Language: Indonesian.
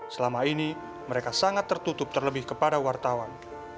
selama ini mereka sangat tertutup terlebih kepada wartawan